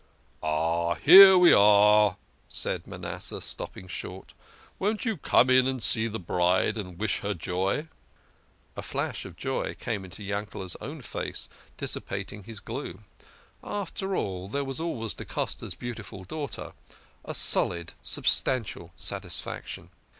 "Oh, here we are !" said Ma nasseh, stopping short. " Won't you come in and see the bride, and wish her joy? " A flash of joy came into Yankee's own face, dissipating his glooms. After all there was always da Costa's beautiful daughter a solid, substantial satisfaction.